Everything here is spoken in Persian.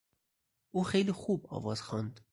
او خیلی خوب آواز خواند.